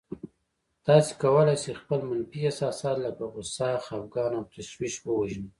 تاسې کولای شئ خپل منفي احساسات لکه غوسه، خپګان او تشويش ووژنئ.